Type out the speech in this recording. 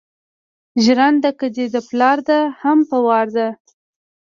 ژرنده که دې پلار ده هم په وار ده.